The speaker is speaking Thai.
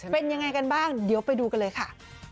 เป็นยังไงกันบ้างเดี๋ยวไปดูกันเลยค่ะ